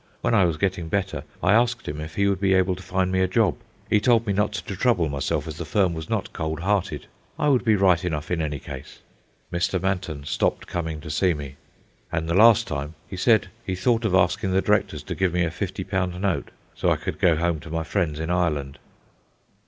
When I was getting better, I asked him if he would be able to find me a job. He told me not to trouble myself, as the firm was not cold hearted. I would be right enough in any case ... Mr. Manton stopped coming to see me; and the last time, he said he thought of asking the directors to give me a fifty pound note, so I could go home to my friends in Ireland.